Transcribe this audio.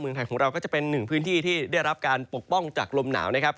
ไทยของเราก็จะเป็นหนึ่งพื้นที่ที่ได้รับการปกป้องจากลมหนาวนะครับ